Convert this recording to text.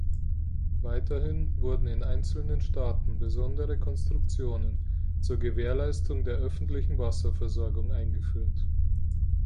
Weiterhin wurden in einzelnen Staaten besondere Konstruktionen zur Gewährleistung der öffentlichen Wasserversorgung eingeführt.